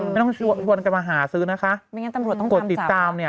ไม่ต้องชวนกันมาหาซื้อนะคะกดติดตามเนี่ย